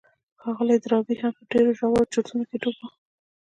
ښاغلی ډاربي هم په ډېرو ژورو چورتونو کې ډوب و.